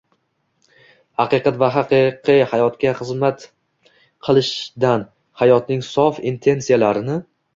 haqiqat va haqiqiy hayotga xizmat qilishdan, hayotning sof intensiyalarini